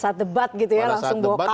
pada saat debat gitu ya langsung bawa kaos